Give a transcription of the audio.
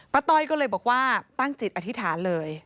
ต้อยก็เลยบอกว่าตั้งจิตอธิษฐานเลย